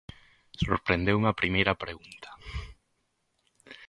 Sorprendeume a primeira pregunta.